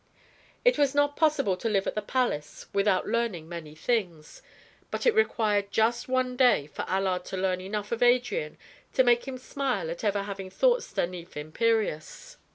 It was not possible to live at the palace without learning many things. But it required just one day for Allard to learn enough of Adrian to make him smile at ever having thought Stanief imperious.